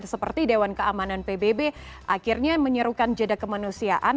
seperti dewan keamanan pbb akhirnya menyerukan jeda kemanusiaan